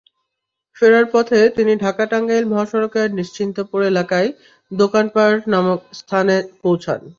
ফেরার পথে তিনি ঢাকা-টাঙ্গাইল মহাসড়কের নিশ্চিন্তপুর এলাকায় দোকানপার নামক স্থানে পৌঁছান।